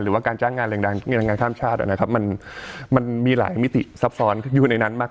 หรือว่าการจ้างงานแรงงานข้ามชาตินะครับมันมีหลายมิติซับซ้อนอยู่ในนั้นมาก